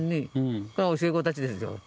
これ教え子たちですよ。